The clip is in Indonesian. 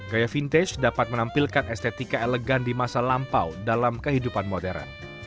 gaya vintage dapat menampilkan estetika elegan di masa lampau dalam kehidupan modern